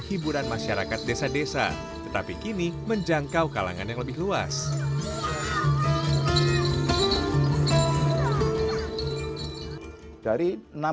hiburan masyarakat desa desa tetapi kini menjangkau kalangan yang lebih luas dari enam